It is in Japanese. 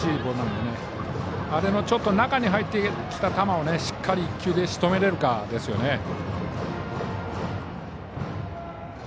あれのちょっと中に入ってきた球をしっかりと１球でしとめられるかですね。